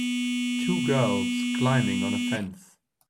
Two girls climbing on a fence.